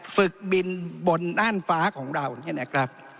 ฝึกบินบนด้านฟ้าของเรา